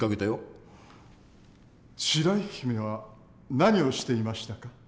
白雪姫は何をしていましたか？